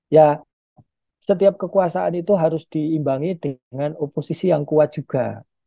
ya setiap kekuasaan itu harus diimbangi dengan oposisi yang kuat juga